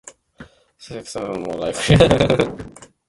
Sex segregation more likely occurs as a combination of these reasons.